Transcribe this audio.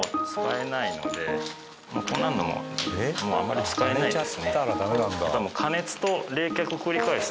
こんなのももうあんまり使えないですね。